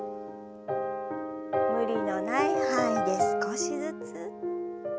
無理のない範囲で少しずつ。